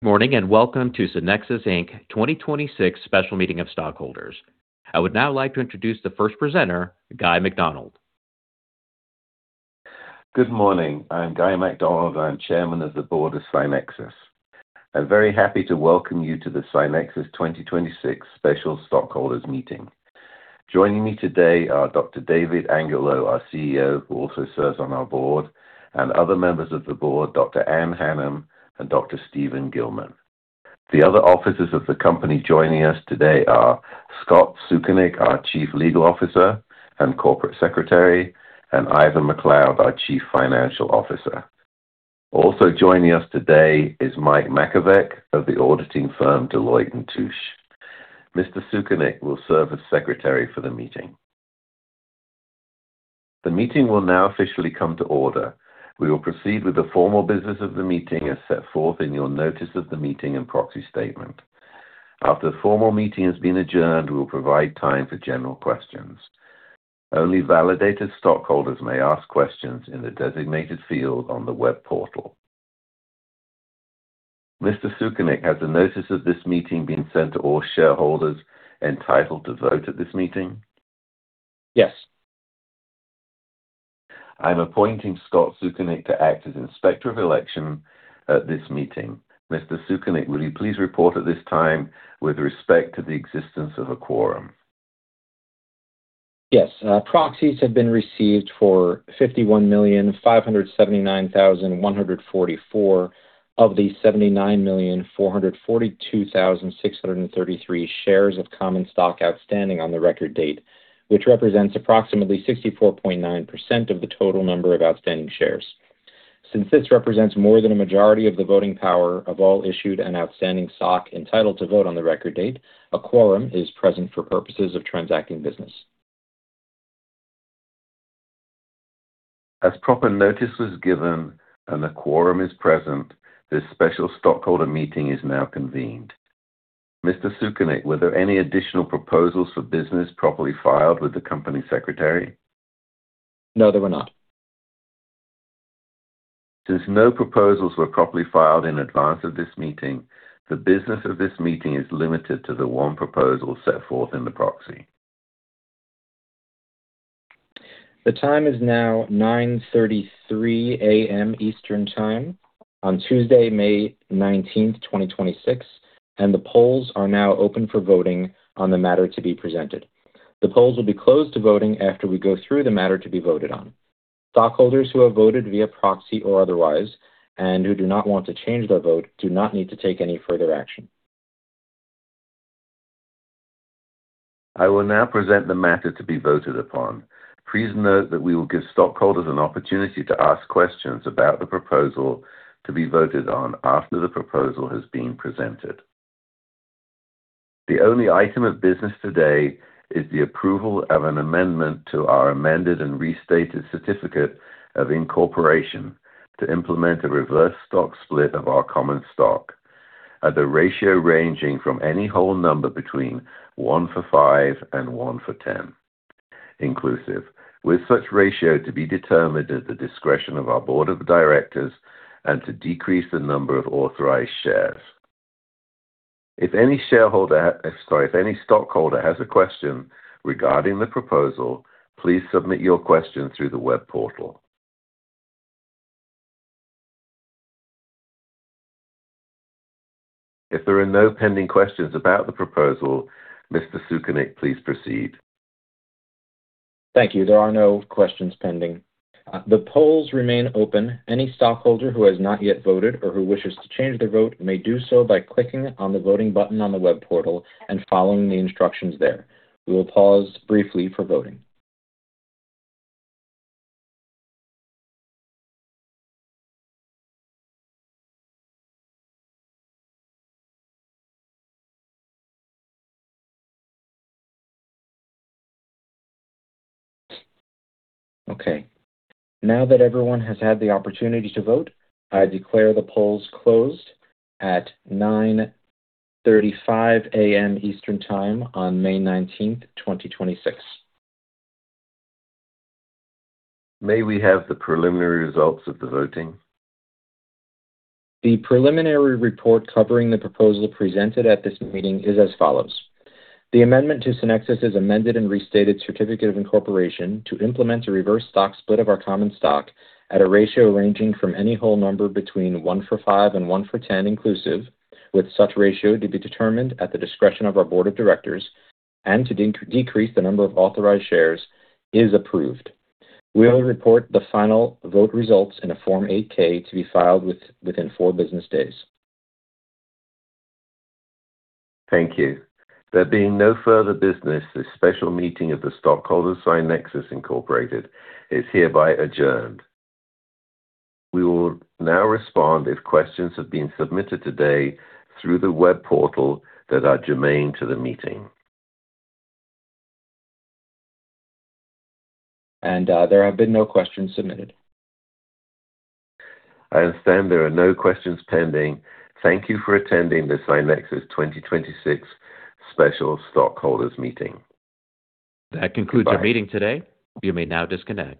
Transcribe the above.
Welcome to SCYNEXIS, Inc. 2026 special meeting of stockholders. I would now like to introduce the first presenter, Guy Macdonald. Good morning. I'm Guy Macdonald. I'm Chairman of the Board of SCYNEXIS. I'm very happy to welcome you to the SCYNEXIS 2026 special stockholders meeting. Joining me today are Dr. David Angulo, our CEO, who also serves on our board, and other members of the board, Dr. Ann F. Hanham and Dr. Steven C. Gilman. The other officers of the company joining us today are Scott Sukenick, our Chief Legal Officer and Corporate Secretary, and Ivor Macleod, our Chief Financial Officer. Also joining us today is Mike Makovec of the auditing firm Deloitte & Touche. Mr. Sukenick will serve as secretary for the meeting. The meeting will now officially come to order. We will proceed with the formal business of the meeting as set forth in your notice of the meeting and proxy statement. After the formal meeting has been adjourned, we will provide time for general questions. Only validated stockholders may ask questions in the designated field on the web portal. Mr. Sukenick, has a notice of this meeting been sent to all shareholders entitled to vote at this meeting? Yes. I'm appointing Scott Sukenick to act as Inspector of Election at this meeting. Mr. Sukenick, will you please report at this time with respect to the existence of a quorum? Yes. proxies have been received for 51,579,144 of the 79,442,633 shares of common stock outstanding on the record date, which represents approximately 64.9% of the total number of outstanding shares. Since this represents more than a majority of the voting power of all issued and outstanding stock entitled to vote on the record date, a quorum is present for purposes of transacting business. As proper notice was given and a quorum is present, this special stockholder meeting is now convened. Mr. Sukenick, were there any additional proposals for business properly filed with the company secretary? No, there were not. Since no proposals were properly filed in advance of this meeting, the business of this meeting is limited to the one proposal set forth in the proxy. The time is now 9:33 A.M. Eastern Time on Tuesday, May 19th, 2026. The polls are now open for voting on the matter to be presented. The polls will be closed to voting after we go through the matter to be voted on. Stockholders who have voted via proxy or otherwise and who do not want to change their vote do not need to take any further action. I will now present the matter to be voted upon. Please note that we will give stockholders an opportunity to ask questions about the proposal to be voted on after the proposal has been presented. The only item of business today is the approval of an amendment to our amended and restated certificate of incorporation to implement a reverse stock split of our common stock at the ratio ranging from any whole number between one for five and one for 10, inclusive, with such ratio to be determined at the discretion of our board of directors and to decrease the number of authorized shares. If any stockholder has a question regarding the proposal, please submit your question through the web portal. If there are no pending questions about the proposal, Mr. Sukenick, please proceed. Thank you. There are no questions pending. The polls remain open. Any stockholder who has not yet voted or who wishes to change their vote may do so by clicking on the voting button on the web portal and following the instructions there. We will pause briefly for voting. Okay. Now that everyone has had the opportunity to vote, I declare the polls closed at 9:35 A.M. Eastern Time on May 19th, 2026. May we have the preliminary results of the voting? The preliminary report covering the proposal presented at this meeting is as follows: The amendment to SCYNEXIS' amended and restated certificate of incorporation to implement a reverse stock split of our common stock at a ratio ranging from any whole number between one for four and one for 10 inclusive, with such ratio to be determined at the discretion of our board of directors and to decrease the number of authorized shares, is approved. We'll report the final vote results in a Form 8-K to be filed within four business days. Thank you. There being no further business, this special meeting of the stockholders SCYNEXIS Incorporated is hereby adjourned. We will now respond if questions have been submitted today through the web portal that are germane to the meeting. There have been no questions submitted. I understand there are no questions pending. Thank you for attending the SCYNEXIS 2026 special stockholders meeting. Goodbye. That concludes our meeting today. You may now disconnect.